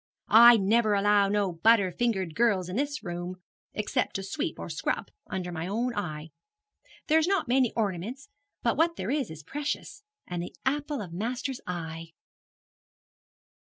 I never allow no butter fingered girls in this room, except to sweep or scrub, under my own eye. There's not many ornaments, but what there is is precious, and the apple of master's eye.'